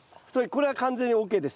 これは完全にＯＫです。